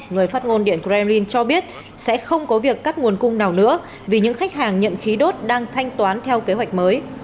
người phát ngôn điện kremlin cho biết sẽ không có việc cắt nguồn cung nào nữa vì những khách hàng nhận khí đốt đang thanh toán theo kế hoạch mới